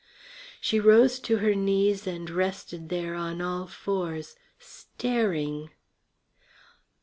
She rose to her knees and rested there on all fours staring.